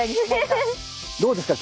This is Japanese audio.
どうですか？